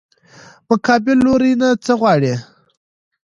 مقابل لوري نه څه غواړې؟